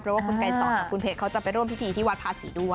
เพราะว่าคุณไกรสอนกับคุณเพชรเขาจะไปร่วมพิธีที่วัดภาษีด้วย